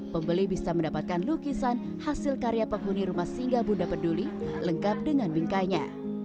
pembeli bisa mendapatkan lukisan hasil karya penghuni rumah singgah bunda peduli lengkap dengan bingkainya